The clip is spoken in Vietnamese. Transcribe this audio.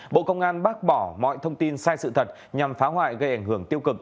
bộ công an bác bỏ mọi thông tin sai sự thật nhằm phá hoại gây ảnh hưởng tiêu cực